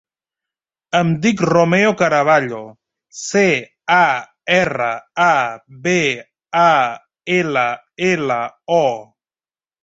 Em dic Romeo Caraballo: ce, a, erra, a, be, a, ela, ela, o.